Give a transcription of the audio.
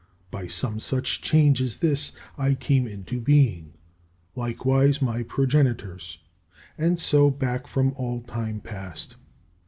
By some such change as this I came into being, likewise my progenitors, and so back from all time past.